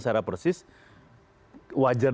secara persis wajar